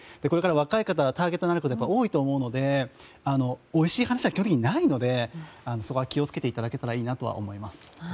これから若い方がターゲットになることが多いと思うのでおいしい話は基本的にないのでそこは気を付けていただけたらいいなと思います。